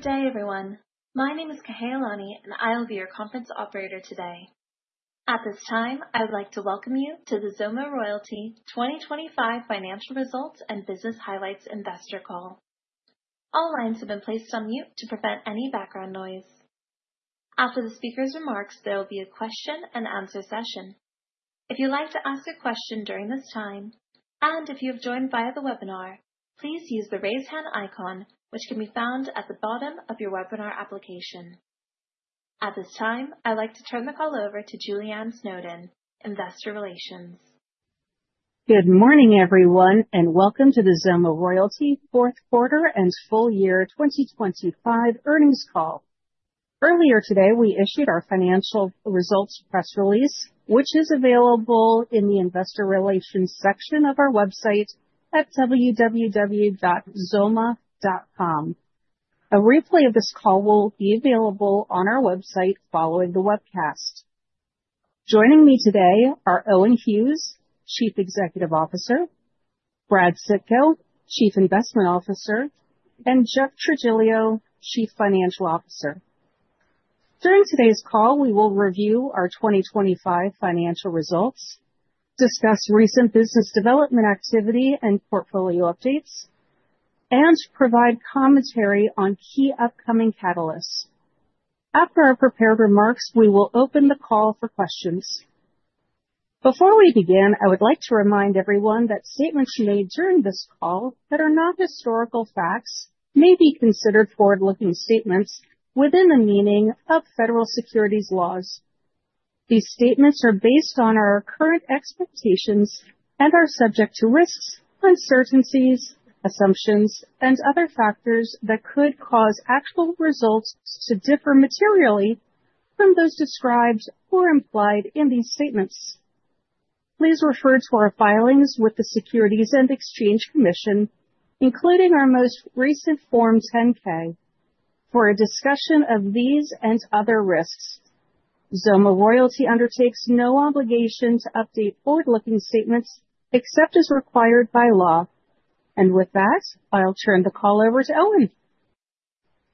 Good day, everyone. My name is Kahealani, and I'll be your conference operator today. At this time, I would like to welcome you to the XOMA Royalty 2025 financial results and business highlights investor call. All lines have been placed on mute to prevent any background noise. After the speaker's remarks, there will be a question and answer session. If you'd like to ask a question during this time, and if you have joined via the webinar, please use the raise hand icon, which can be found at the bottom of your webinar application. At this time, I'd like to turn the call over to Juliane Snowden, Investor Relations. Good morning, everyone, and welcome to the XOMA Royalty Fourth Quarter and Full Year 2025 Earnings Call. Earlier today, we issued our financial results press release, which is available in the investor relations section of our website at www.xoma.com. A replay of this call will be available on our website following the webcast. Joining me today are Owen Hughes, Chief Executive Officer, Brad Sitko, Chief Investment Officer, and Jeffrey Trigilio, Chief Financial Officer. During today's call, we will review our 2025 financial results, discuss recent business development activity and portfolio updates, and provide commentary on key upcoming catalysts. After our prepared remarks, we will open the call for questions. Before we begin, I would like to remind everyone that statements made during this call that are not historical facts may be considered forward-looking statements within the meaning of federal securities laws. These statements are based on our current expectations and are subject to risks, uncertainties, assumptions, and other factors that could cause actual results to differ materially from those described or implied in these statements. Please refer to our filings with the Securities and Exchange Commission, including our most recent Form 10-K, for a discussion of these and other risks. XOMA Royalty undertakes no obligation to update forward-looking statements except as required by law. With that, I'll turn the call over to Owen.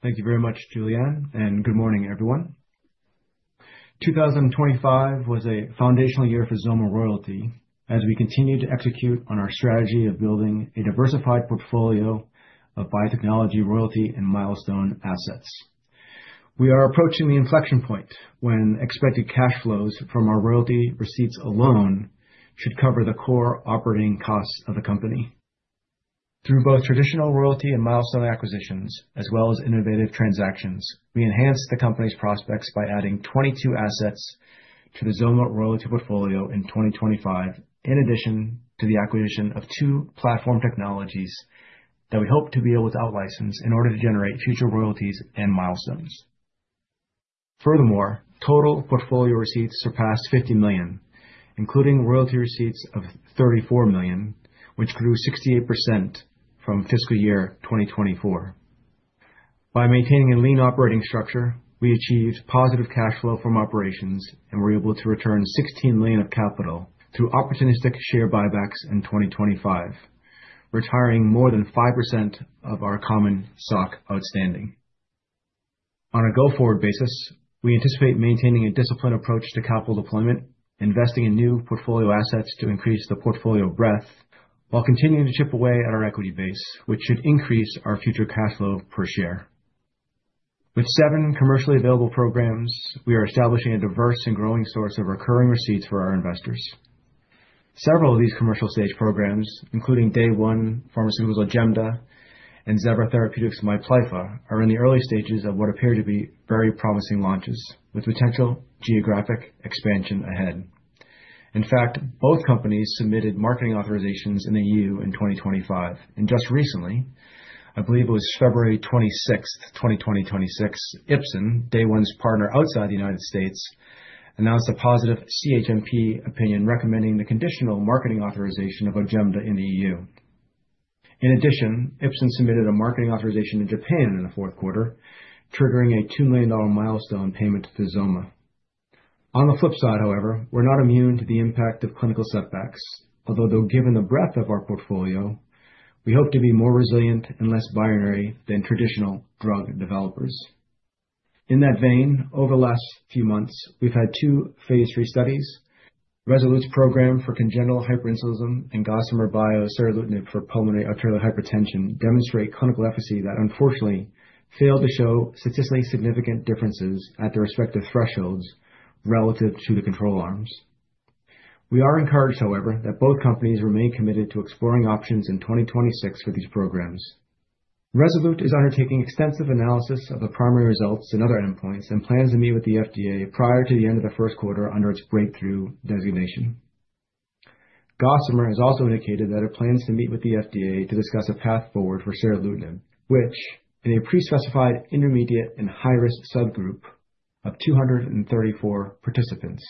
Thank you very much, Juliane, and good morning, everyone. 2025 was a foundational year for XOMA Royalty as we continued to execute on our strategy of building a diversified portfolio of biotechnology royalty and milestone assets. We are approaching the inflection point when expected cash flows from our royalty receipts alone should cover the core operating costs of the company. Through both traditional royalty and milestone acquisitions as well as innovative transactions, we enhanced the company's prospects by adding 22 assets to the XOMA Royalty portfolio in 2025, in addition to the acquisition of two platform technologies that we hope to be able to outlicense in order to generate future royalties and milestones. Furthermore, total portfolio receipts surpassed $50 million, including royalty receipts of $34 million, which grew 68% from fiscal year 2024. By maintaining a lean operating structure, we achieved positive cash flow from operations and were able to return $16 million of capital through opportunistic share buybacks in 2025, retiring more than 5% of our common stock outstanding. On a go-forward basis, we anticipate maintaining a disciplined approach to capital deployment, investing in new portfolio assets to increase the portfolio breadth while continuing to chip away at our equity base, which should increase our future cash flow per share. With seven commercially available programs, we are establishing a diverse and growing source of recurring receipts for our investors. Several of these commercial stage programs, including Day One Biopharmaceuticals' OJEMDA and Zevra Therapeutics' MIPLYFFA, are in the early stages of what appear to be very promising launches with potential geographic expansion ahead. In fact, both companies submitted marketing authorizations in the E.U. in 2025. Just recently, I believe it was February 26th, 2026, Ipsen, Day One's partner outside the United States, announced a positive CHMP opinion recommending the conditional marketing authorization of OJEMDA in the E.U.. In addition, Ipsen submitted a marketing authorization in Japan in the fourth quarter, triggering a $2 million milestone payment to XOMA. On the flip side, however, we're not immune to the impact of clinical setbacks, although given the breadth of our portfolio, we hope to be more resilient and less binary than traditional drug developers. In that vein, over the last few months, we've had two phase III studies, Rezolute's program for congenital hyperinsulinism and Gossamer Bio's seralutinib for pulmonary arterial hypertension demonstrate clinical efficacy that unfortunately failed to show statistically significant differences at their respective thresholds relative to the control arms. We are encouraged, however, that both companies remain committed to exploring options in 2026 for these programs. Rezolute is undertaking extensive analysis of the primary results and other endpoints and plans to meet with the FDA prior to the end of the first quarter under its breakthrough designation. Gossamer has also indicated that it plans to meet with the FDA to discuss a path forward for seralutinib, which in a pre-specified intermediate and high-risk subgroup of 234 participants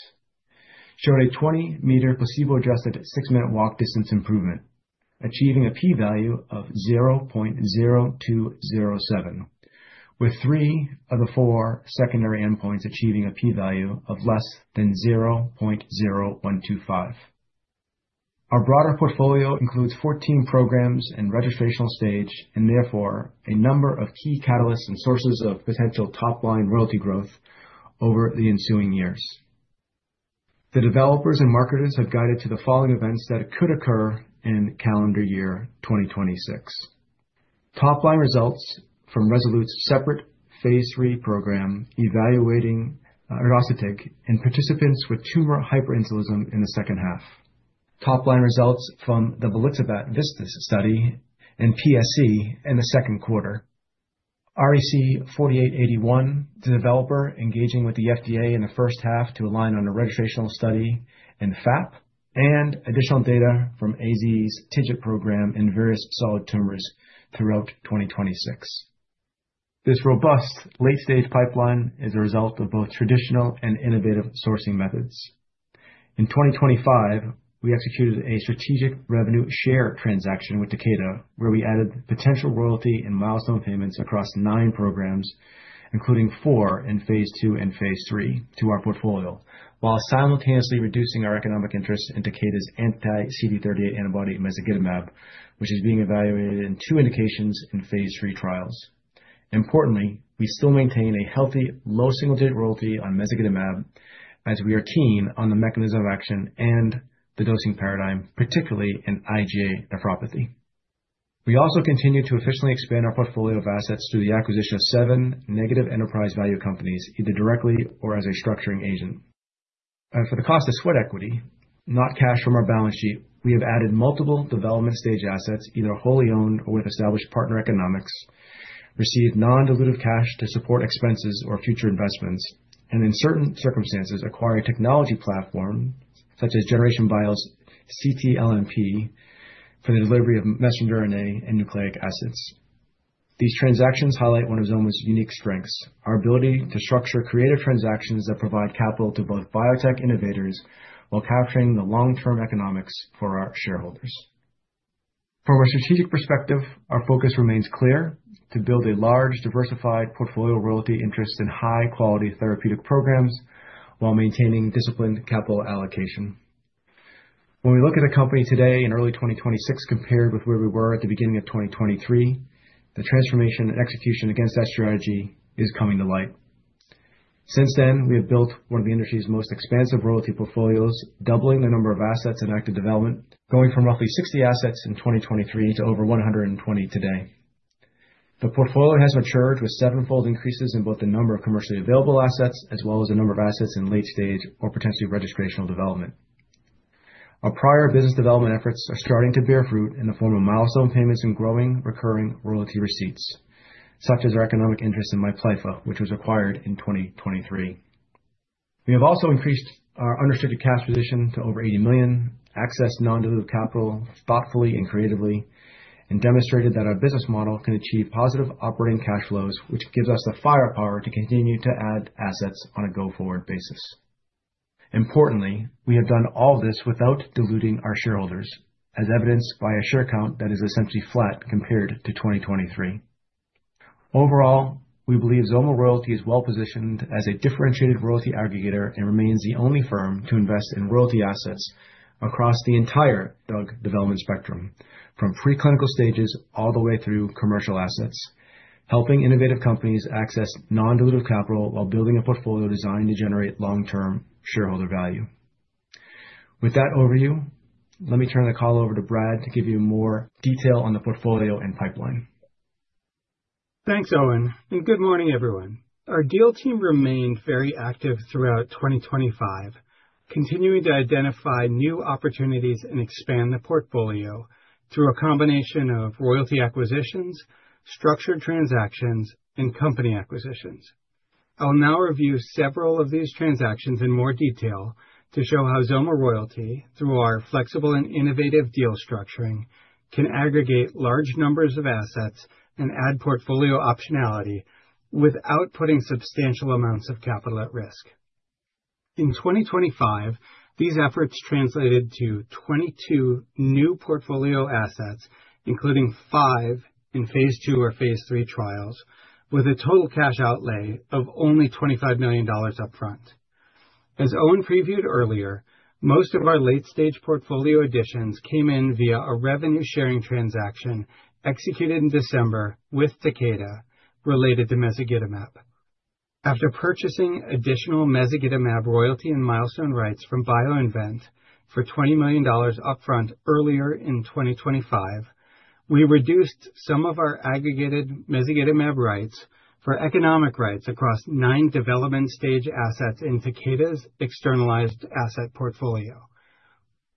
showed a 20-meter placebo-adjusted six-minute walk distance improvement, achieving a P value of 0.0207, with three of the four secondary endpoints achieving a P value of less than 0.0125. Our broader portfolio includes 14 programs in registrational stage, and therefore, a number of key catalysts and sources of potential top-line royalty growth over the ensuing years. The developers and marketers have guided to the following events that could occur in calendar year 2026. Top line results from Rezolute's separate phase III program evaluating ersodetug in participants with tumor hyperinsulinism in the second half. Top line results from the volixibat VISTAS study in PSC in the second quarter. REC-4881, the developer engaging with the FDA in the first half to align on a registrational study in FAP, and additional data from AZ's TIGIT program in various solid tumors throughout 2026. This robust late-stage pipeline is a result of both traditional and innovative sourcing methods. In 2025, we executed a strategic revenue share transaction with Takeda, where we added potential royalty and milestone payments across nine programs, including four in phase II and phase III to our portfolio, while simultaneously reducing our economic interest in Takeda's anti-CD38 antibody, mezagitamab, which is being evaluated in two indications in phase III trials. Importantly, we still maintain a healthy low single-digit royalty on mezagitamab as we are keen on the mechanism of action and the dosing paradigm, particularly in IgA nephropathy. We also continue to efficiently expand our portfolio of assets through the acquisition of seven negative enterprise value companies, either directly or as a structuring agent. For the cost of sweat equity, not cash from our balance sheet, we have added multiple development stage assets, either wholly owned or with established partner economics, received non-dilutive cash to support expenses or future investments, and in certain circumstances, acquire a technology platform such as Generation Bio's ctLNP for the delivery of messenger RNA and nucleic acids. These transactions highlight one of XOMA's unique strengths, our ability to structure creative transactions that provide capital to both biotech innovators while capturing the long-term economics for our shareholders. From a strategic perspective, our focus remains clear, to build a large, diversified portfolio of royalty interests in high-quality therapeutic programs while maintaining disciplined capital allocation. When we look at a company today in early 2026 compared with where we were at the beginning of 2023, the transformation and execution against that strategy is coming to light. Since then, we have built one of the industry's most expansive royalty portfolios, doubling the number of assets in active development, going from roughly 60 assets in 2023 to over 120 today. The portfolio has matured with sevenfold increases in both the number of commercially available assets as well as the number of assets in late stage or potentially registrational development. Our prior business development efforts are starting to bear fruit in the form of milestone payments and growing recurring royalty receipts, such as our economic interest in MIPLYFFA, which was acquired in 2023. We have also increased our unrestricted cash position to over $80 million, accessed non-dilutive capital thoughtfully and creatively, and demonstrated that our business model can achieve positive operating cash flows, which gives us the firepower to continue to add assets on a go-forward basis. Importantly, we have done all this without diluting our shareholders, as evidenced by a share count that is essentially flat compared to 2023. Overall, we believe XOMA Royalty is well-positioned as a differentiated royalty aggregator and remains the only firm to invest in royalty assets across the entire drug development spectrum, from pre-clinical stages all the way through commercial assets, helping innovative companies access non-dilutive capital while building a portfolio designed to generate long-term shareholder value. With that overview, let me turn the call over to Brad to give you more detail on the portfolio and pipeline. Thanks, Owen, and good morning, everyone. Our deal team remained very active throughout 2025, continuing to identify new opportunities and expand the portfolio through a combination of royalty acquisitions, structured transactions, and company acquisitions. I'll now review several of these transactions in more detail to show how XOMA Royalty, through our flexible and innovative deal structuring, can aggregate large numbers of assets and add portfolio optionality without putting substantial amounts of capital at risk. In 2025, these efforts translated to 22 new portfolio assets, including five in phase II or phase III trials, with a total cash outlay of only $25 million upfront. As Owen previewed earlier, most of our late-stage portfolio additions came in via a revenue-sharing transaction executed in December with Takeda related to mezagitamab. After purchasing additional mezagitamab royalty and milestone rights from BioInvent for $20 million upfront earlier in 2025, we reduced some of our aggregated mezagitamab rights for economic rights across nine development stage assets in Takeda's externalized asset portfolio.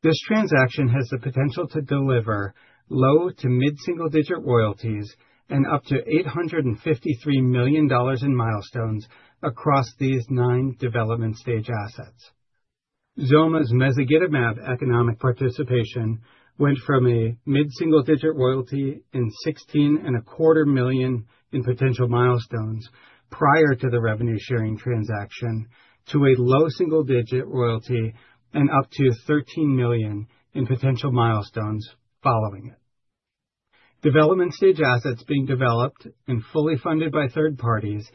This transaction has the potential to deliver low- to mid-single-digit royalties and up to $853 million in milestones across these nine development stage assets. XOMA's mezagitamab economic participation went from a mid-single-digit royalty in $16.25 million in potential milestones prior to the revenue-sharing transaction to a low single-digit royalty and up to $13 million in potential milestones following it. Development stage assets being developed and fully funded by third parties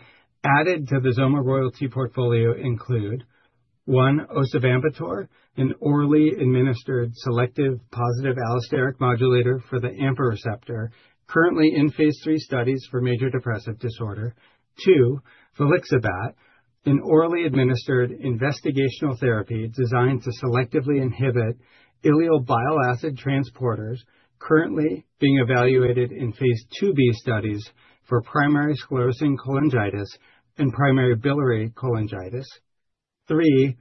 added to the XOMA Royalty portfolio include one, osavampator, an orally administered selective positive allosteric modulator for the AMPA receptor currently in phase III studies for major depressive disorder. Two, volixibat, an orally administered investigational therapy designed to selectively inhibit ileal bile acid transporters currently being evaluated in phase 2B studies for primary sclerosing cholangitis and primary biliary cholangitis. Three,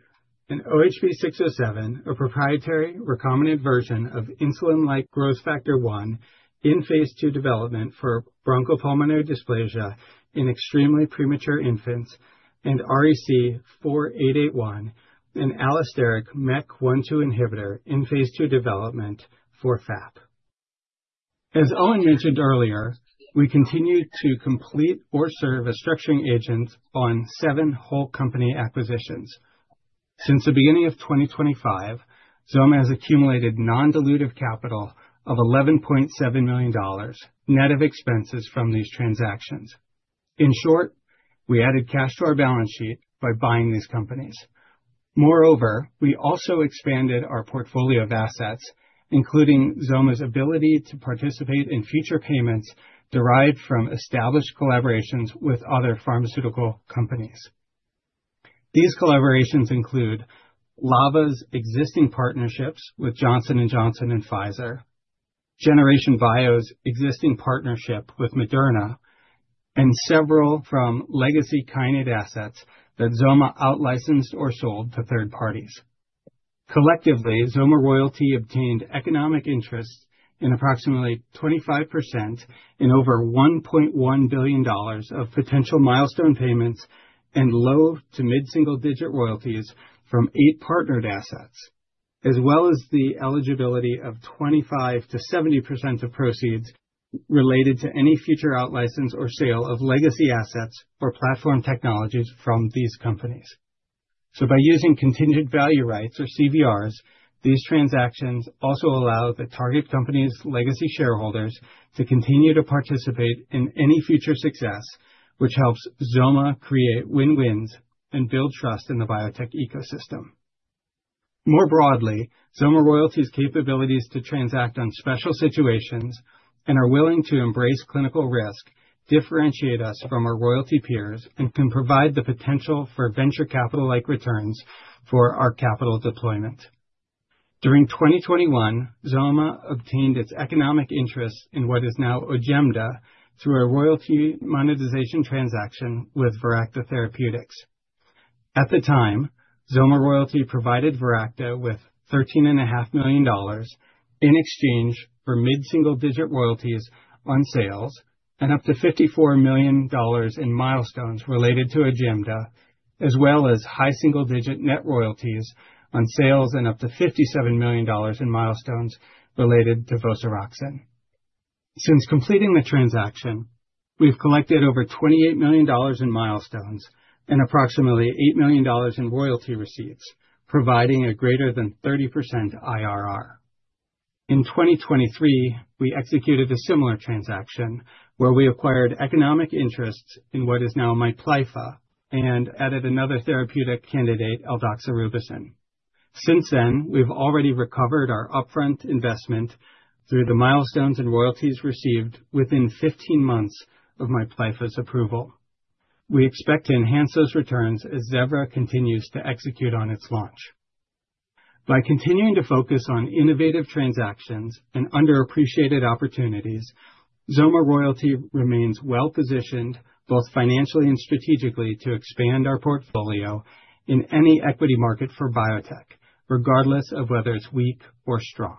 an OHB-607, a proprietary recombinant version of insulin-like growth factor one in phase II development for bronchopulmonary dysplasia in extremely premature infants, and REC-4881, an allosteric MEK 1/2 inhibitor in phase II development for FAP. As Owen mentioned earlier, we continue to complete or serve as structuring agent on seven whole company acquisitions. Since the beginning of 2025, XOMA has accumulated non-dilutive capital of $11.7 million, net of expenses from these transactions. In short, we added cash to our balance sheet by buying these companies. Moreover, we also expanded our portfolio of assets, including XOMA's ability to participate in future payments derived from established collaborations with other pharmaceutical companies. These collaborations include Lava Therapeutics' existing partnerships with Johnson & Johnson and Pfizer, Generation Bio's existing partnership with Moderna, and several from legacy Kinnate assets that XOMA out-licensed or sold to third parties. Collectively, XOMA Royalty obtained economic interests in approximately 25% in over $1.1 billion of potential milestone payments and low to mid-single-digit royalties from eight partnered assets, as well as the eligibility of 25%-70% of proceeds related to any future out-license or sale of legacy assets or platform technologies from these companies. By using contingent value rights or CVRs, these transactions also allow the target company's legacy shareholders to continue to participate in any future success, which helps XOMA create win-wins and build trust in the biotech ecosystem. More broadly, XOMA Royalty's capabilities to transact on special situations and our willingness to embrace clinical risk differentiate us from our royalty peers and can provide the potential for venture capital-like returns for our capital deployment. During 2021, XOMA Royalty obtained its economic interest in what is now OJEMDA through a royalty monetization transaction with Viracta Therapeutics. At the time, XOMA Royalty provided Viracta with $13.5 million in exchange for mid-single-digit royalties on sales and up to $54 million in milestones related to OJEMDA, as well as high single-digit net royalties on sales and up to $57 million in milestones related to Vosaroxin. Since completing the transaction, we've collected over $28 million in milestones and approximately $8 million in royalty receipts, providing a greater than 30% IRR. In 2023, we executed a similar transaction where we acquired economic interests in what is now MIPLYFFA and added another therapeutic candidate, Aldoxorubicin. Since then, we've already recovered our upfront investment through the milestones and royalties received within 15 months of MIPLYFFA's approval. We expect to enhance those returns as Zevra continues to execute on its launch. By continuing to focus on innovative transactions and underappreciated opportunities, XOMA Royalty remains well-positioned, both financially and strategically, to expand our portfolio in any equity market for biotech, regardless of whether it's weak or strong.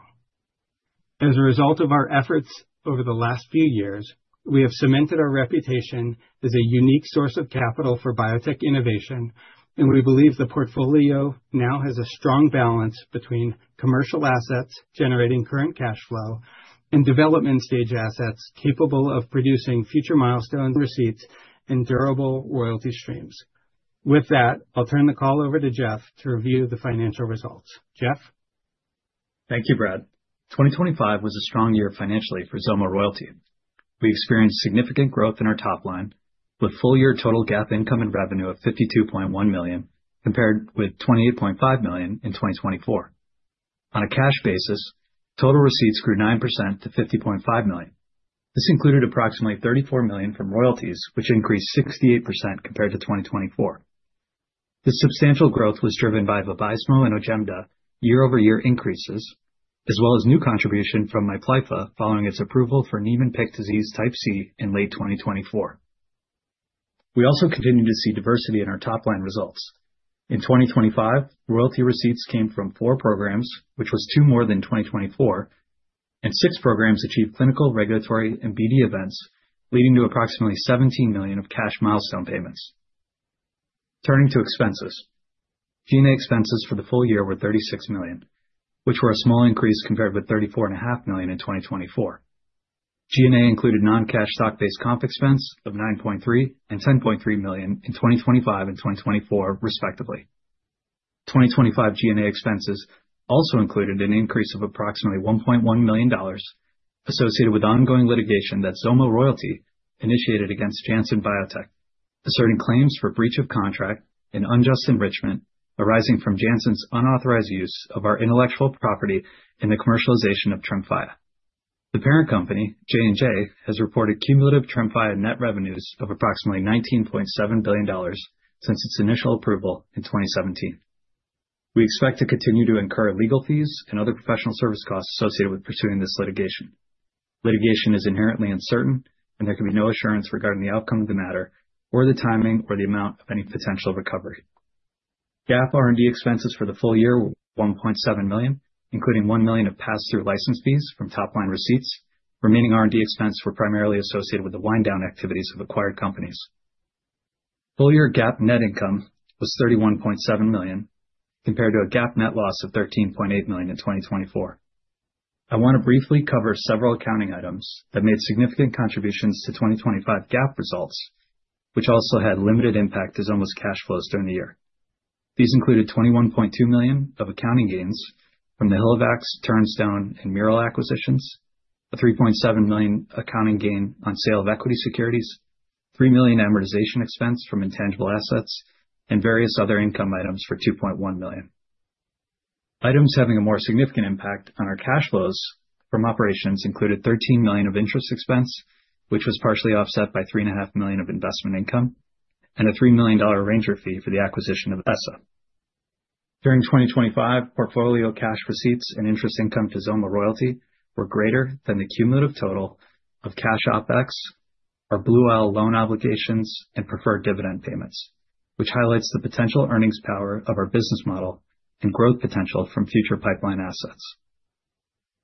As a result of our efforts over the last few years, we have cemented our reputation as a unique source of capital for biotech innovation, and we believe the portfolio now has a strong balance between commercial assets generating current cash flow and development stage assets capable of producing future milestone receipts and durable royalty streams. With that, I'll turn the call over to Jeff to review the financial results. Jeff? Thank you, Brad. 2025 was a strong year financially for XOMA Royalty. We experienced significant growth in our top line with full-year total GAAP income and revenue of $52.1 million, compared with $28.5 million in 2024. On a cash basis, total receipts grew 9% to $50.5 million. This included approximately $34 million from royalties, which increased 68% compared to 2024. The substantial growth was driven by VABYSMO and OJEMDA year-over-year increases, as well as new contribution from MIPLYFFA following its approval for Niemann-Pick disease type C in late 2024. We also continued to see diversity in our top-line results. In 2025, royalty receipts came from four programs, which was two more than 2024, and six programs achieved clinical, regulatory, and BD events, leading to approximately $17 million of cash milestone payments. Turning to expenses. G&A expenses for the full year were $36 million, which were a small increase compared with $34.5 million in 2024. G&A included non-cash stock-based comp expense of $9.3 million and $10.3 million in 2025 and 2024, respectively. 2025 G&A expenses also included an increase of approximately $1.1 million associated with ongoing litigation that XOMA Royalty initiated against Janssen Biotech, asserting claims for breach of contract and unjust enrichment arising from Janssen's unauthorized use of our intellectual property in the commercialization of Tremfya. The parent company, J&J, has reported cumulative Tremfya net revenues of approximately $19.7 billion since its initial approval in 2017. We expect to continue to incur legal fees and other professional service costs associated with pursuing this litigation. Litigation is inherently uncertain, and there can be no assurance regarding the outcome of the matter or the timing or the amount of any potential recovery. GAAP R&D expenses for the full year were $1.7 million, including $1 million of passthrough license fees from top-line receipts. Remaining R&D expenses were primarily associated with the wind-down activities of acquired companies. Full-year GAAP net income was $31.7 million compared to a GAAP net loss of $13.8 million in 2024. I want to briefly cover several accounting items that made significant contributions to 2025 GAAP results, which also had limited impact to XOMA's cash flows during the year. These included $21.2 million of accounting gains from the HilleVax, Turnstone, and Mural acquisitions, a $3.7 million accounting gain on sale of equity securities, $3 million amortization expense from intangible assets, and various other income items for $2.1 million. Items having a more significant impact on our cash flows from operations included $13 million of interest expense, which was partially offset by $3.5 million of investment income and a $3 million arranger fee for the acquisition of ESSA. During 2025, portfolio cash receipts and interest income to XOMA Royalty were greater than the cumulative total of cash OpEx, our Blue Owl loan obligations, and preferred dividend payments, which highlights the potential earnings power of our business model and growth potential from future pipeline assets.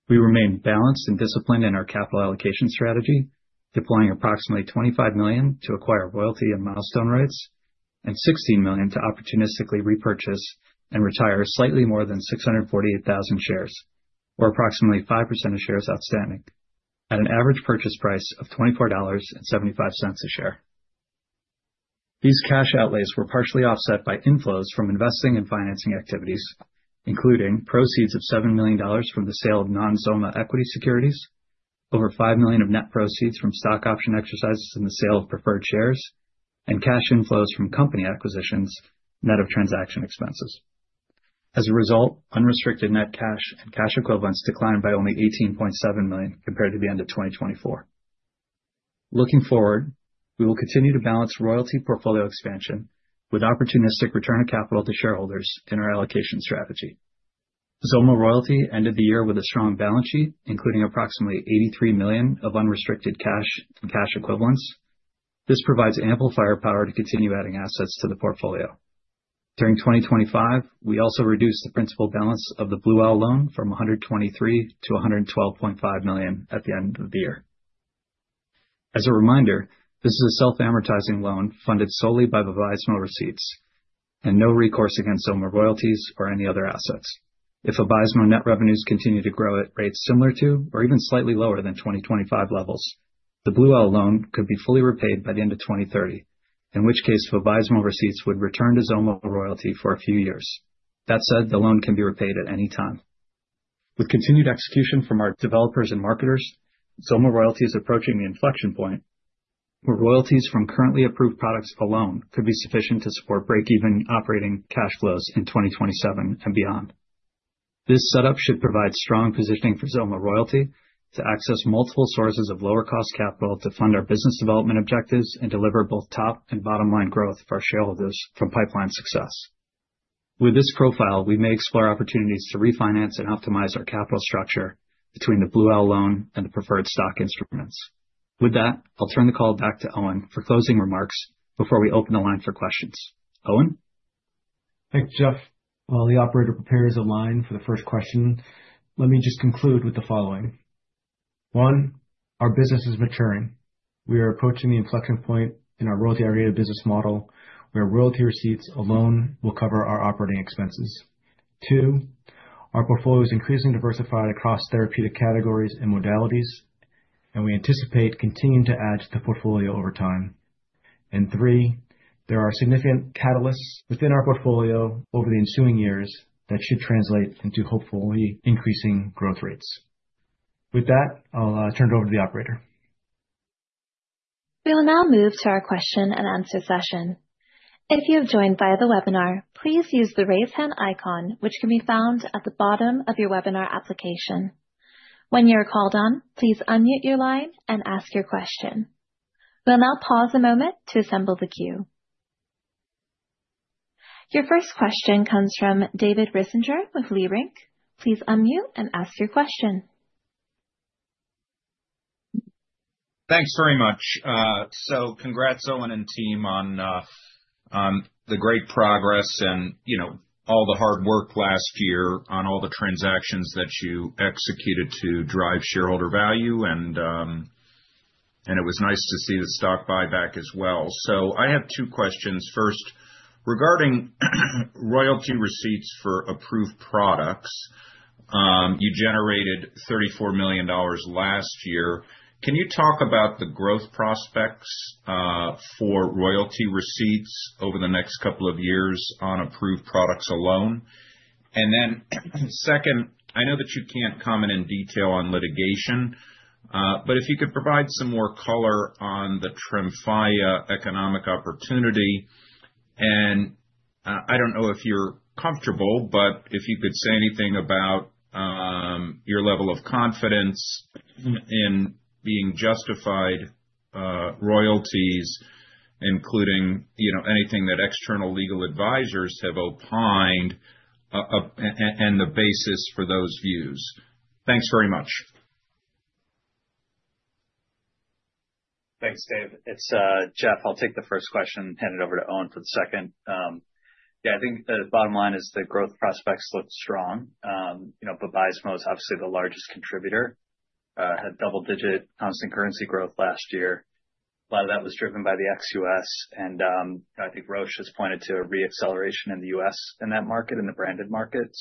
We remain balanced and disciplined in our capital allocation strategy, deploying approximately $25 million to acquire royalty and milestone rates and $16 million to opportunistically repurchase and retire slightly more than 648,000 shares, or approximately 5% of shares outstanding at an average purchase price of $24.75 a share. These cash outlays were partially offset by inflows from investing and financing activities, including proceeds of $7 million from the sale of non-XOMA equity securities, over $5 million of net proceeds from stock option exercises in the sale of preferred shares, and cash inflows from company acquisitions net of transaction expenses. As a result, unrestricted net cash and cash equivalents declined by only $18.7 million compared to the end of 2024. Looking forward, we will continue to balance royalty portfolio expansion with opportunistic return of capital to shareholders in our allocation strategy. XOMA Royalty ended the year with a strong balance sheet, including approximately $83 million of unrestricted cash and cash equivalents. This provides ample firepower to continue adding assets to the portfolio. During 2025, we also reduced the principal balance of the Blue Owl Loan from $123 million to $112.5 million at the end of the year. As a reminder, this is a self-amortizing loan funded solely by the VABYSMO receipts and no recourse against XOMA Royalty or any other assets. If VABYSMO net revenues continue to grow at rates similar to or even slightly lower than 2025 levels, the Blue Owl Capital loan could be fully repaid by the end of 2030, in which case VABYSMO receipts would return to XOMA Royalty for a few years. That said, the loan can be repaid at any time. With continued execution from our developers and marketers, XOMA Royalty is approaching the inflection point where royalties from currently approved products alone could be sufficient to support break-even operating cash flows in 2027 and beyond. This setup should provide strong positioning for XOMA Royalty to access multiple sources of lower cost capital to fund our business development objectives and deliver both top and bottom-line growth for our shareholders from pipeline success. With this profile, we may explore opportunities to refinance and optimize our capital structure between the Blue Owl Capital loan and the preferred stock instruments. With that, I'll turn the call back to Owen for closing remarks before we open the line for questions. Owen? Thanks, Jeff. While the operator prepares the line for the first question, let me just conclude with the following. One, our business is maturing. We are approaching the inflection point in our royalty-oriented business model, where royalty receipts alone will cover our operating expenses. Two, our portfolio is increasingly diversified across therapeutic categories and modalities, and we anticipate continuing to add to the portfolio over time. Three, there are significant catalysts within our portfolio over the ensuing years that should translate into hopefully increasing growth rates. With that, I'll turn it over to the operator. We will now move to our question-and-answer session. If you have joined via the webinar, please use the Raise Hand icon, which can be found at the bottom of your webinar application. When you are called on, please unmute your line and ask your question. We'll now pause a moment to assemble the queue. Your first question comes from David Risinger with Leerink. Please unmute and ask your question. Thanks very much. Congrats, Owen and team, on the great progress and, you know, all the hard work last year on all the transactions that you executed to drive shareholder value. It was nice to see the stock buyback as well. I have two questions. First, regarding royalty receipts for approved products. You generated $34 million last year. Can you talk about the growth prospects for royalty receipts over the next couple of years on approved products alone? Second, I know that you can't comment in detail on litigation, but if you could provide some more color on the Tremfya economic opportunity, and I don't know if you're comfortable, but if you could say anything about your level of confidence in being justified royalties, including, you know, anything that external legal advisors have opined, and the basis for those views. Thanks very much. Thanks, David. It's Jeff. I'll take the first question and hand it over to Owen for the second. Yeah, I think the bottom line is the growth prospects look strong. You know, VABYSMO is obviously the largest contributor. Had double-digit constant currency growth last year. A lot of that was driven by the ex-U.S. I think Roche has pointed to a re-acceleration in the U.S. in that market, in the branded market.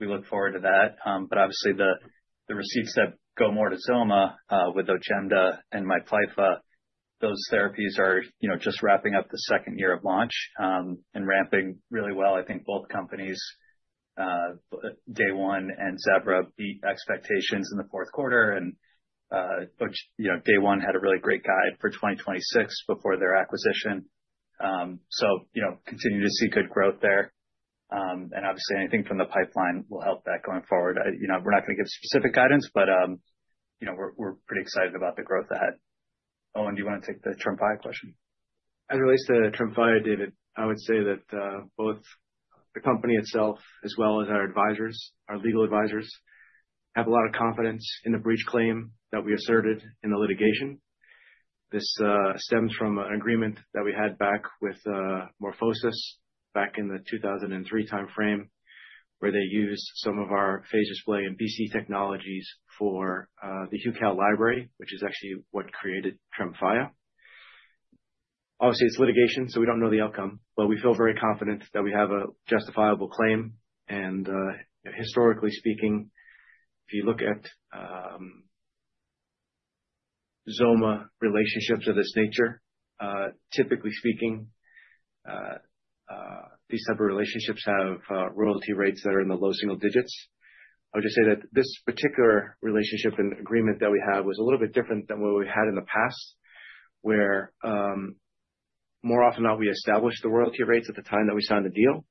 We look forward to that. Obviously the receipts that go more to XOMA, with OJEMDA and MIPLYFFA, those therapies are, you know, just wrapping up the second year of launch, and ramping really well. I think both companies, Day One and Zevra, beat expectations in the fourth quarter. Which, you know, Day One had a really great guide for 2026 before their acquisition. You know, continuing to see good growth there. Obviously anything from the pipeline will help that going forward. You know, we're not gonna give specific guidance, but, you know, we're pretty excited about the growth ahead. Owen, do you wanna take the Tremfya question? As it relates to Tremfya, David, I would say that both the company itself as well as our advisors, our legal advisors, have a lot of confidence in the breach claim that we asserted in the litigation. This stems from an agreement that we had back with MorphoSys back in the 2003 timeframe, where they used some of our phage display and HuCal technologies for the HuCal library, which is actually what created Tremfya. Obviously, it's litigation, so we don't know the outcome, but we feel very confident that we have a justifiable claim. Historically speaking, if you look at XOMA relationships of this nature, typically speaking, these type of relationships have royalty rates that are in the low single digits. I would just say that this particular relationship and agreement that we had was a little bit different than what we had in the past, where more often than not, we established the royalty rates at the time that we signed the deal.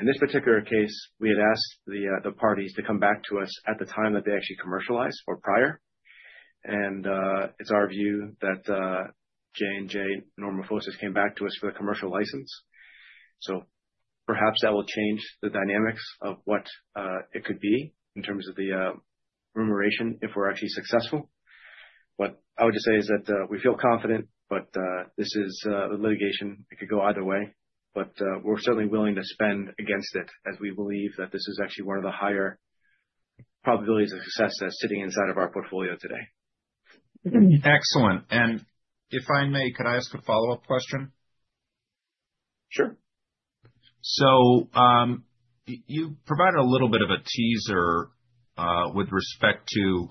In this particular case, we had asked the parties to come back to us at the time that they actually commercialized or prior. It's our view that J&J, or MorphoSys, came back to us for the commercial license. Perhaps that will change the dynamics of what it could be in terms of the remuneration if we're actually successful. What I would just say is that we feel confident, but this is the litigation. It could go either way, but we're certainly willing to spend against it as we believe that this is actually one of the higher probabilities of success that's sitting inside of our portfolio today. Excellent. If I may, could I ask a follow-up question? Sure. You provided a little bit of a teaser with respect to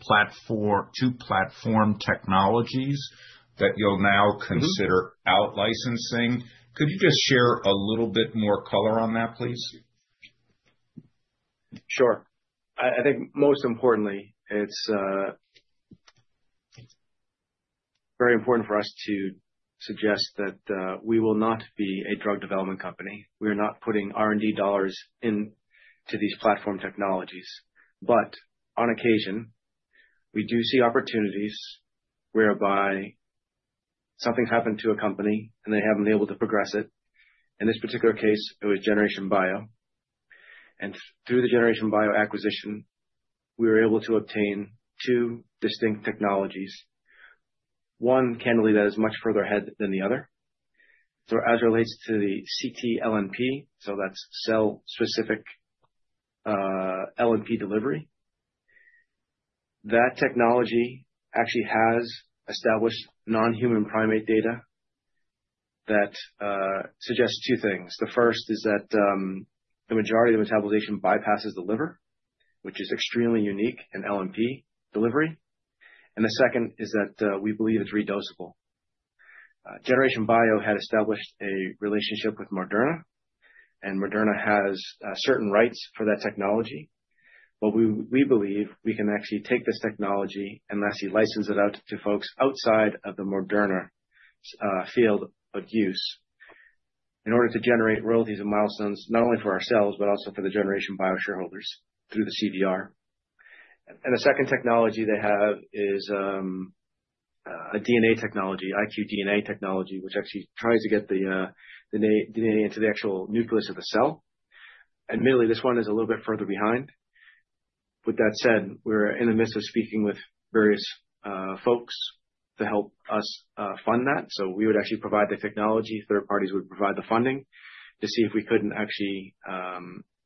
platform-to-platform technologies that you'll now consider out-licensing. Could you just share a little bit more color on that, please? Sure. I think most importantly, it's very important for us to suggest that we will not be a drug development company. We are not putting R&D dollars into these platform technologies. On occasion, we do see opportunities whereby something's happened to a company and they haven't been able to progress it. In this particular case, it was Generation Bio. Through the Generation Bio acquisition, we were able to obtain two distinct technologies. One, candidly, that is much further ahead than the other. As it relates to the CT-LNP, that's cell-specific LNP delivery. That technology actually has established non-human primate data that suggests two things. The first is that the majority of the metabolization bypasses the liver, which is extremely unique in LNP delivery. The second is that we believe it's re-dosable. Generation Bio had established a relationship with Moderna, and Moderna has certain rights for that technology. We believe we can actually take this technology and actually license it out to folks outside of the Moderna field of use in order to generate royalties and milestones, not only for ourselves, but also for the Generation Bio shareholders through the CVR. The second technology they have is a DNA technology, iqDNA technology, which actually tries to get the DNA into the actual nucleus of the cell. Meanwhile this one is a little bit further behind. With that said, we're in the midst of speaking with various folks to help us fund that. We would actually provide the technology, third parties would provide the funding to see if we couldn't actually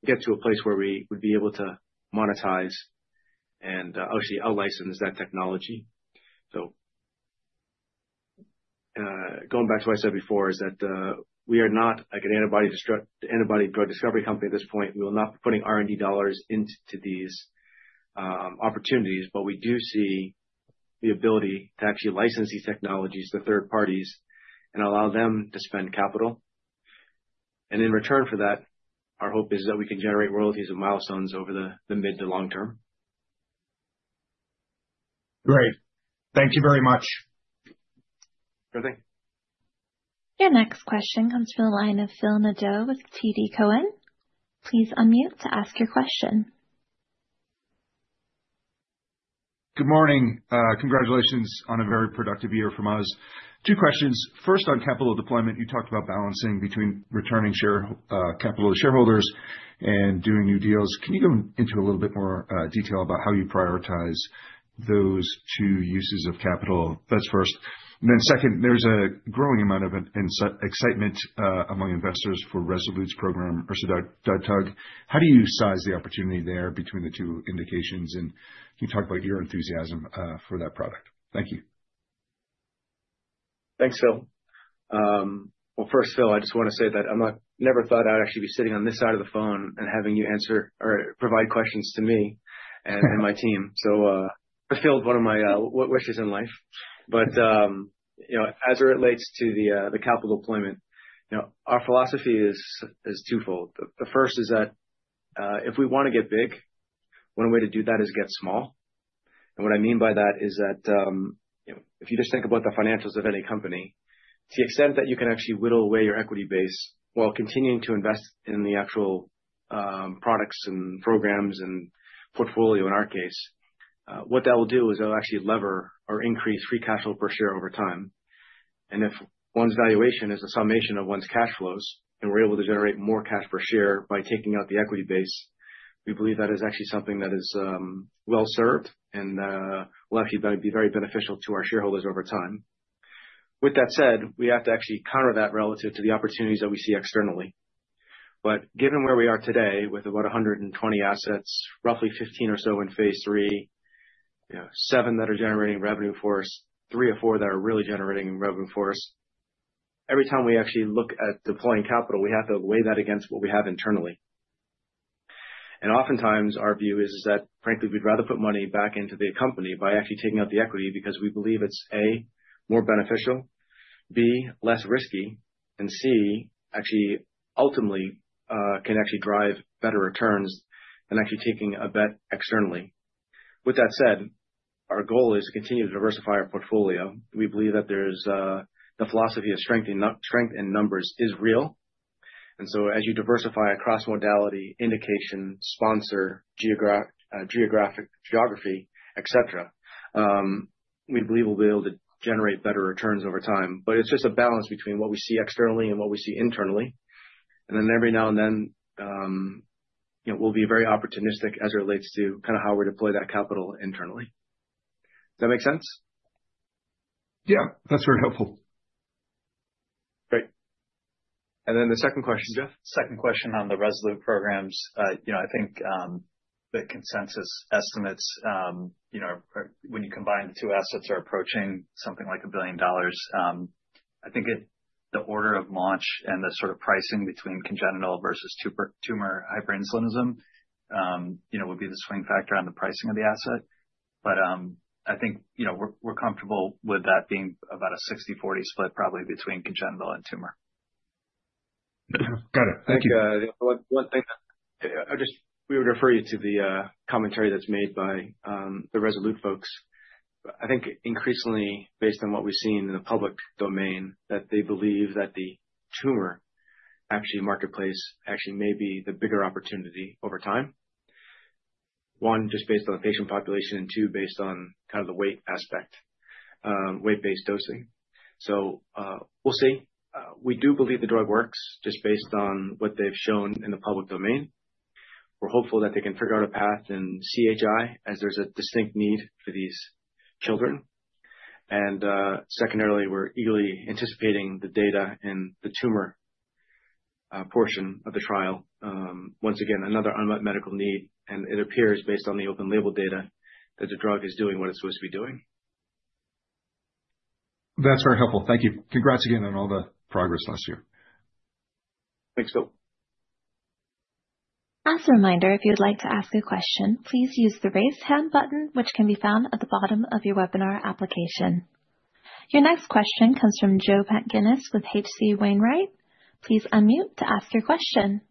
get to a place where we would be able to monetize and actually outlicense that technology. Going back to what I said before is that we are not like an antibody discovery company at this point. We are not putting R&D dollars into these opportunities. We do see the ability to actually license these technologies to third parties and allow them to spend capital. In return for that, our hope is that we can generate royalties and milestones over the mid to long term. Great. Thank you very much. Okay. Your next question comes from the line of Phil Nadeau with TD Cowen. Please unmute to ask your question. Good morning. Congratulations on a very productive year for us. Two questions. First, on capital deployment, you talked about balancing between returning share capital to shareholders and doing new deals. Can you go into a little bit more detail about how you prioritize those two uses of capital? That's first. Second, there's a growing amount of excitement among investors for Rezolute's program for ersodetug. How do you size the opportunity there between the two indications? Can you talk about your enthusiasm for that product? Thank you. Thanks, Phil. Well, first Phil, I just wanna say that I never thought I'd actually be sitting on this side of the phone and having you answer or provide questions to me and my team. Fulfilled one of my wishes in life. You know, as it relates to the capital deployment, you know, our philosophy is twofold. The first is that if we wanna get big, one way to do that is get small. What I mean by that is that, you know, if you just think about the financials of any company, to the extent that you can actually whittle away your equity base while continuing to invest in the actual, products and programs and portfolio, in our case, what that will do is it'll actually lever or increase free cash flow per share over time. If one's valuation is a summation of one's cash flows, and we're able to generate more cash per share by taking out the equity base, we believe that is actually something that is, well served and, will actually be very beneficial to our shareholders over time. With that said, we have to actually counter that relative to the opportunities that we see externally. Given where we are today with about 120 assets, roughly 15 or so in phase III, you know, seven that are generating revenue for us, three or four that are really generating revenue for us. Every time we actually look at deploying capital, we have to weigh that against what we have internally. Oftentimes our view is that frankly, we'd rather put money back into the company by actually taking out the equity because we believe it's, A, more beneficial, B, less risky, and C, actually ultimately, can actually drive better returns than actually taking a bet externally. With that said, our goal is to continue to diversify our portfolio. We believe that there's the philosophy of strength in numbers is real. As you diversify across modality, indication, sponsor, geography, et cetera, we believe we'll be able to generate better returns over time. It's just a balance between what we see externally and what we see internally. Every now and then, you know, we'll be very opportunistic as it relates to kind of how we deploy that capital internally. Does that make sense? Yeah, that's very helpful. Great. The second question, Jeff? Second question on the Rezolute programs. You know, I think the consensus estimates, you know, when you combine the two assets are approaching something like $1 billion. I think it, the order of launch and the sort of pricing between congenital versus tumor hyperinsulinism, you know, will be the swing factor on the pricing of the asset. I think, you know, we're comfortable with that being about a 60/40 split probably between congenital and tumor. Got it. Thank you. I think one thing, I just we would refer you to the commentary that's made by the Rezolute folks. I think increasingly based on what we've seen in the public domain, that they believe that the tumor hyperinsulinism marketplace may be the bigger opportunity over time. One, just based on the patient population, and two, based on kind of the weight aspect, weight-based dosing. We'll see. We do believe the drug works just based on what they've shown in the public domain. We're hopeful that they can figure out a path in CHI as there's a distinct need for these children. Secondarily, we're eagerly anticipating the data in the tumor hyperinsulinism portion of the trial. Once again, another unmet medical need, and it appears based on the open label data that the drug is doing what it's supposed to be doing. That's very helpful. Thank you. Congrats again on all the progress last year. Thanks, Phil. As a reminder, if you'd like to ask a question, please use the Raise Hand button, which can be found at the bottom of your webinar application. Your next question comes from Joseph Pantginis with H.C. Wainwright. Please unmute to ask your question.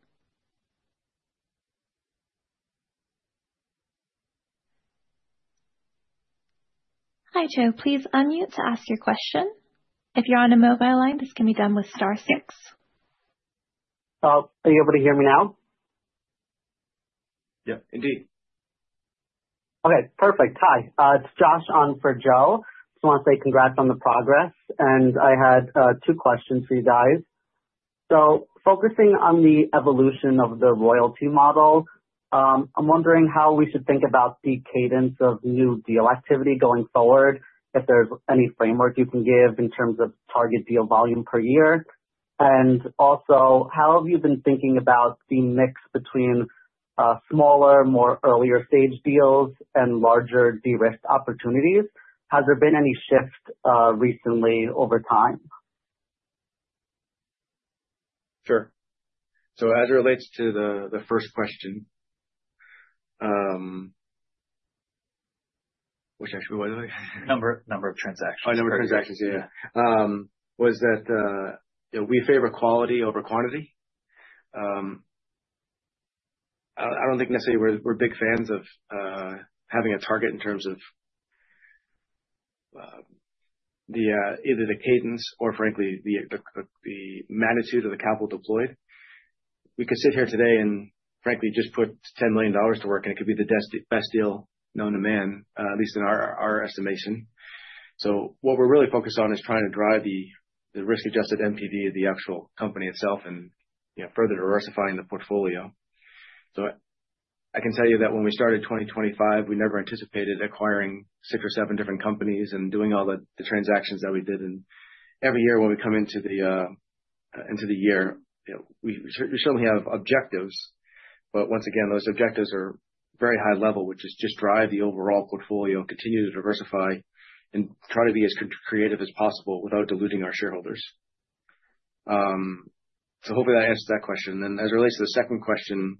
Hi, Joe. Please unmute to ask your question. If you're on a mobile line, this can be done with star six. Are you able to hear me now? Yeah, indeed. Okay, perfect. Hi, it's Josh on for Joe. Just wanna say congrats on the progress, and I had two questions for you guys. Focusing on the evolution of the royalty model, I'm wondering how we should think about the cadence of new deal activity going forward, if there's any framework you can give in terms of target deal volume per year? How have you been thinking about the mix between, smaller, more earlier stage deals and larger de-risk opportunities? Has there been any shift, recently over time? Sure. As it relates to the first question, which actually was it? Number of transactions. Number of transactions, yeah. Was that, you know, we favor quality over quantity. I don't think necessarily we're big fans of having a target in terms of either the cadence or frankly, the magnitude of the capital deployed. We could sit here today and frankly just put $10 million to work, and it could be the best deal known to man, at least in our estimation. What we're really focused on is trying to drive the risk-adjusted NPV of the actual company itself and, you know, further diversifying the portfolio. I can tell you that when we started 2025, we never anticipated acquiring six or seven different companies and doing all the transactions that we did. Every year when we come into the year, you know, we certainly have objectives. Once again, those objectives are very high-level, which is just drive the overall portfolio, continue to diversify and try to be as creative as possible without diluting our shareholders. Hopefully that answers that question. As it relates to the second question,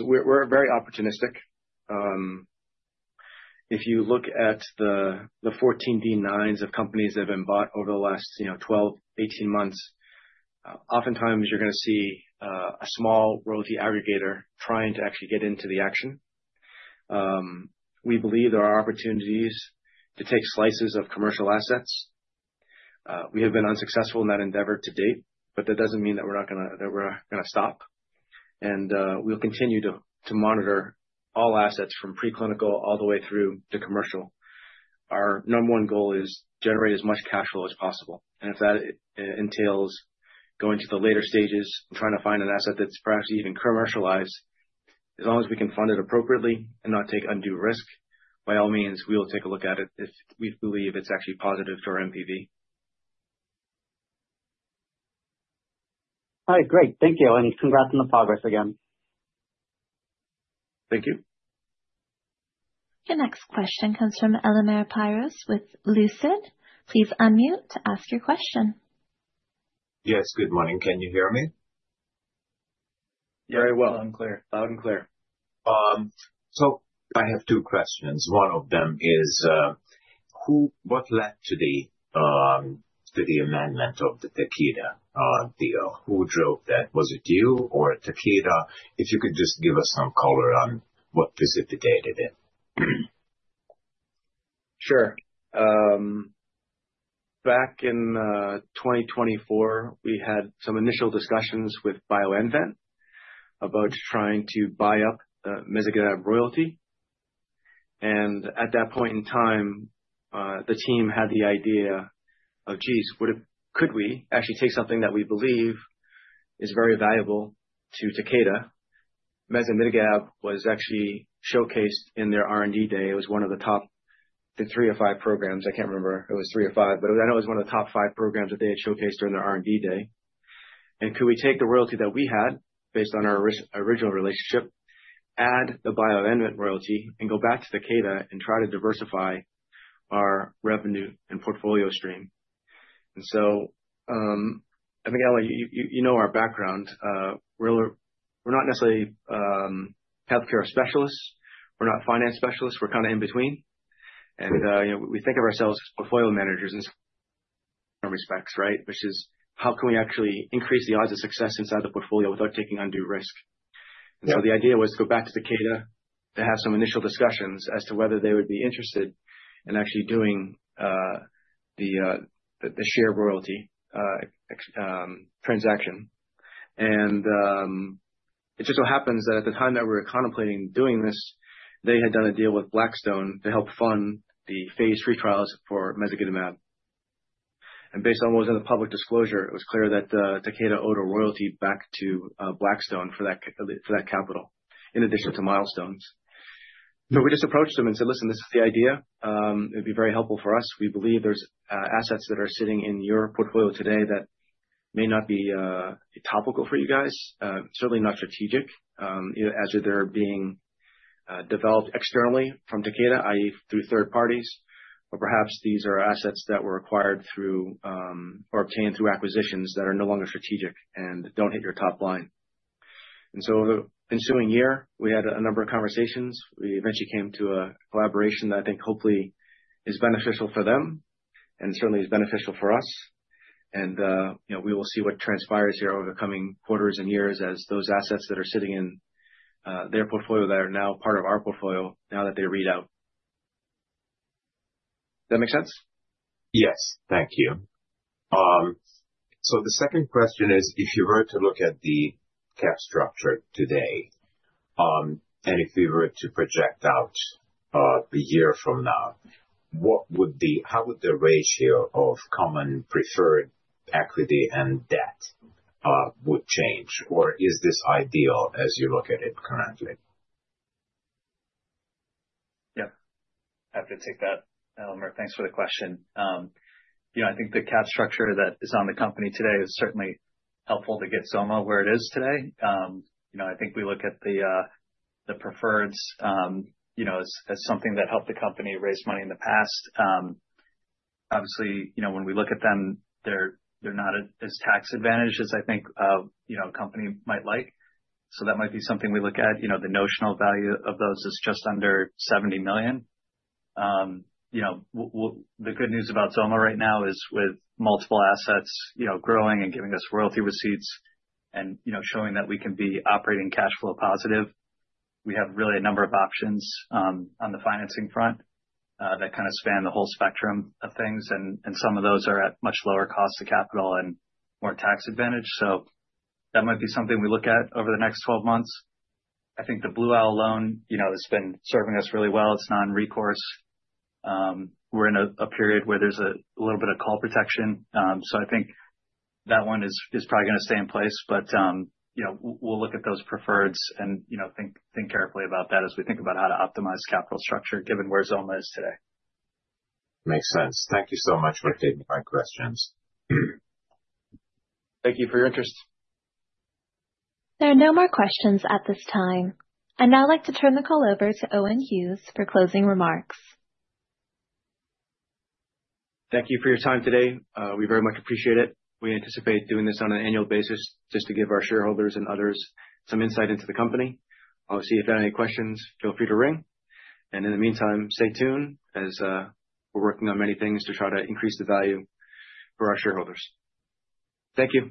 we're very opportunistic. If you look at the 14D-9s of companies that have been bought over the last, you know, 12, 18 months, oftentimes you're gonna see a small royalty aggregator trying to actually get into the action. We believe there are opportunities to take slices of commercial assets. We have been unsuccessful in that endeavor to date, but that doesn't mean that we're gonna stop. We'll continue to monitor all assets from preclinical all the way through to commercial. Our number one goal is generate as much cash flow as possible, and if that entails going to the later stages and trying to find an asset that's perhaps even commercialized, as long as we can fund it appropriately and not take undue risk, by all means, we will take a look at it if we believe it's actually positive for NPV. All right, great. Thank you, and congrats on the progress again. Thank you. Your next question comes from Elemer Piros with Lucid. Please unmute to ask your question. Yes, good morning. Can you hear me? Very well. Loud and clear. Loud and clear. I have two questions. One of them is, what led to the amendment of the Takeda deal? Who drove that? Was it you or Takeda? If you could just give us some color on what precipitated it. Sure. Back in 2024, we had some initial discussions with BioInvent about trying to buy up the mezagitamab royalty. At that point in time, the team had the idea of, geez, could we actually take something that we believe is very valuable to Takeda. Mezagitamab was actually showcased in their R&D day. It was one of the top, the three or five programs. I can't remember. It was three or five, but I know it was one of the top five programs that they had showcased during their R&D day. Could we take the royalty that we had based on our original relationship, add the BioInvent royalty and go back to Takeda and try to diversify our revenue and portfolio stream. Elemer, you know our background. We're not necessarily healthcare specialists. We're not finance specialists. We're kind of in between. You know, we think of ourselves as portfolio managers in some respects, right? Which is how can we actually increase the odds of success inside the portfolio without taking undue risk. Yeah. The idea was to go back to Takeda to have some initial discussions as to whether they would be interested in actually doing the shared royalty ex-U.S. transaction. It just so happens that at the time that we were contemplating doing this, they had done a deal with Blackstone to help fund the phase III trials for mezagitamab. Based on what was in the public disclosure, it was clear that Takeda owed a royalty back to Blackstone for that capital in addition to milestones. We just approached them and said, "Listen, this is the idea. It would be very helpful for us. We believe there's assets that are sitting in your portfolio today that may not be topical for you guys. Certainly not strategic, you know, as they're being developed externally from Takeda, i.e., through third parties. Or perhaps these are assets that were acquired through or obtained through acquisitions that are no longer strategic and don't hit your top line." Over the ensuing year, we had a number of conversations. We eventually came to a collaboration that I think hopefully is beneficial for them and certainly is beneficial for us. You know, we will see what transpires here over the coming quarters and years as those assets that are sitting in their portfolio that are now part of our portfolio now that they read out. That make sense? Yes. Thank you. The second question is, if you were to look at the capital structure today, and if we were to project out a year from now, how would the ratio of common and preferred equity and debt change? Or is this ideal as you look at it currently? Yeah. I have to take that. Elemer, thanks for the question. You know, I think the capital structure that is on the company today is certainly helpful to get XOMA where it is today. You know, I think we look at the preferreds, you know, as something that helped the company raise money in the past. Obviously, you know, when we look at them, they're not as tax advantaged as I think, you know, a company might like. That might be something we look at. You know, the notional value of those is just under $70 million. The good news about XOMA right now is with multiple assets, you know, growing and giving us royalty receipts and, you know, showing that we can be operating cash flow positive. We have really a number of options on the financing front that kind of span the whole spectrum of things. Some of those are at much lower cost of capital and more tax advantage. That might be something we look at over the next 12 months. I think the Blue Owl loan, you know, has been serving us really well. It's non-recourse. We're in a period where there's a little bit of call protection. I think that one is probably gonna stay in place, you know, we'll look at those preferreds and, you know, think carefully about that as we think about how to optimize capital structure given where XOMA is today. Makes sense. Thank you so much for taking my questions. Thank you for your interest. There are no more questions at this time. I'd now like to turn the call over to Owen Hughes for closing remarks. Thank you for your time today. We very much appreciate it. We anticipate doing this on an annual basis just to give our shareholders and others some insight into the company. Obviously, if you have any questions, feel free to ring. In the meantime, stay tuned as we're working on many things to try to increase the value for our shareholders. Thank you.